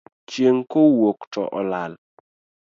Chieng' kowuok to olal.